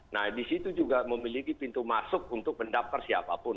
nah disitu juga memiliki pintu masuk untuk mendaftar siapapun